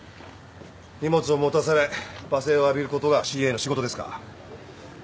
荷物を持たされ罵声を浴びることがＣＡの仕事ですか？